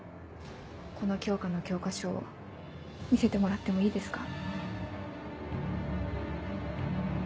この教科の教科書を見せてもらってもいいですか？